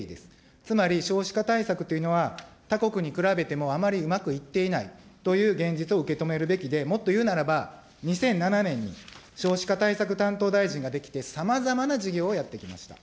つまり少子化対策というのは、他国に比べてもあまりうまくいっていないという現実を受け止めるべきで、もっと言うならば、２００７年に少子化担当大臣ができて、さまざまな事業をやってきました。